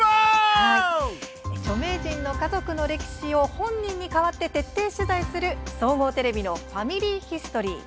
著名人の家族の歴史を本人に代わって徹底取材する総合テレビの「ファミリーヒストリー」。